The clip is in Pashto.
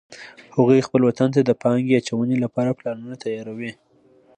هغوی خپل وطن ته د پانګې اچونې لپاره پلانونه تیار وی